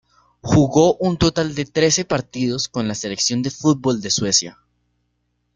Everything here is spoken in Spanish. Jugó un total de trece partidos con la selección de fútbol de Suecia.